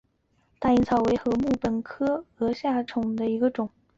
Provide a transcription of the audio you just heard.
大颖草为禾本科鹅观草属下的一个种。